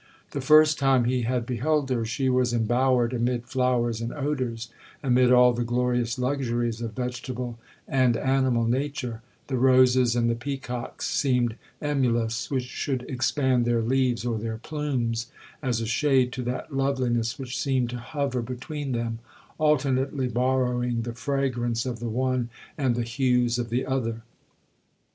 The first time he had beheld her, she was embowered amid flowers and odours, amid all the glorious luxuries of vegetable and animal nature; the roses and the peacocks seemed emulous which should expand their leaves or their plumes, as a shade to that loveliness which seemed to hover between them, alternately borrowing the fragrance of the one, and the hues of the other.